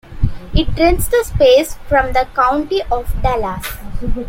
It rents the space from the County of Dallas.